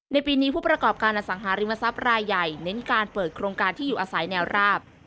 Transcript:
ในปีนี้ผู้ประกอบการอสังหาริมทรัพย์รายใหญ่เน้นการเปิดโครงการที่อยู่อาศัยแนวราบ